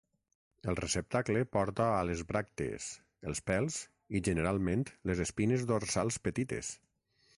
El receptacle porta a les bràctees, els pèls i generalment les espines dorsals petites.